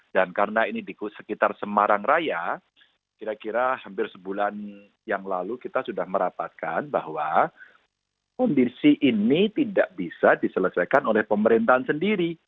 dan karena ini di sekitar semarang raya kira kira hampir sebulan yang lalu kita sudah merapatkan bahwa kondisi ini tidak bisa diselesaikan oleh pemerintahan sendiri